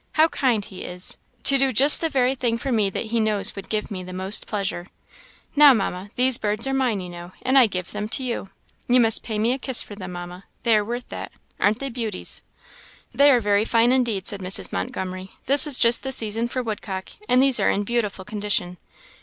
How kind he is! to do just the very thing for me that he knows would give me the most pleasure! Now, Mamma, these birds are mine, you know, and I give them to you. You must pay me a kiss for them, Mamma; they are worth that. Aren't they beauties?" "They are very fine, indeed," said Mrs. Montgomery; "this is just the season for woodcock, and these are in beautiful condition."